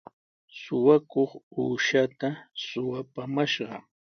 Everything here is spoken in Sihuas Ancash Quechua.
Suqakuq uushaata suqapumashqa.